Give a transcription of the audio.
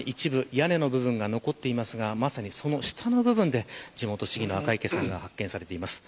ただ、一部屋根の部分が残っていますがその下の部分で、地元市議の赤池さんが発見されています。